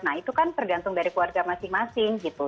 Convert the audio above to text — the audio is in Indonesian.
nah itu kan tergantung dari keluarga masing masing gitu